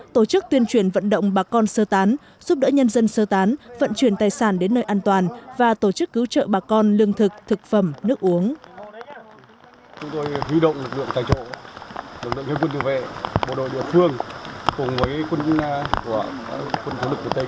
tổ chức tuyên truyền vận động bà con sơ tán giúp đỡ nhân dân sơ tán vận chuyển tài sản đến nơi an toàn và tổ chức cứu trợ bà con lương thực thực phẩm nước uống